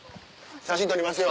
写真撮りますよ